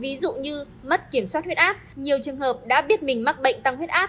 ví dụ như mất kiểm soát huyết áp nhiều trường hợp đã biết mình mắc bệnh tăng huyết áp